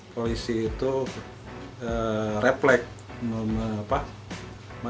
polisi itu refleks